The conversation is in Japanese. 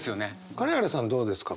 金原さんどうですか？